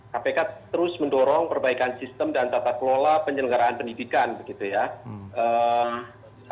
kpk terus mendorong perbaikan sistem dan tata kelola penyelenggaraan pendidikan begitu ya